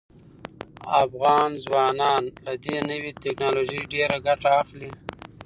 افغان ځوانان له دې نوې ټیکنالوژۍ ډیره ګټه اخلي.